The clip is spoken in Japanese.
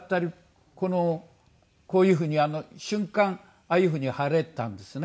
このこういう風に瞬間ああいう風に晴れたんですね。